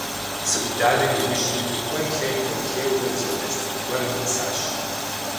Цы Ӏуданэм и ужь иту кӀуэм-лъейм, кӀуэм-лъейурэ зы унэжь цӀыкӀу гуэрым нэсащ.